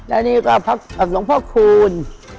แล้วนี่ก็หลวงพ่อคูณ